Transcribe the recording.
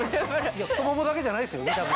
太ももだけじゃないですよ見た目。